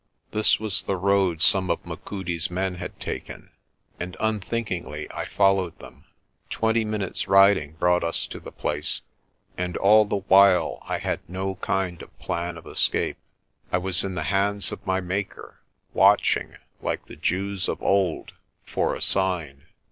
This was the road some of Machudi's men had taken, and unthinkingly I followed them. Twenty minutes' riding brought us to the place and 208 PRESTER JOHN all the while I had no kind of plan of escape. I was in the hands of my Maker, watching, like the Jews of old, for a sign.